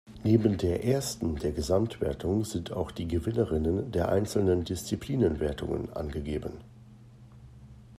Neben der Ersten der Gesamtwertung sind auch die Gewinnerinnen der einzelnen Disziplinenwertungen angegeben.